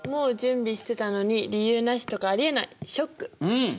うん！